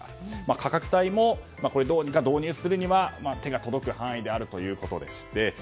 価格帯もどうにか導入するには手が届く範囲であるということでして。